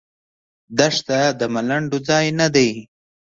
دښته د ملنډو ځای نه دی.